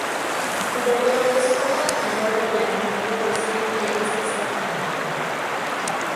Dolores fue la ganadora de la primera edición de este certamen.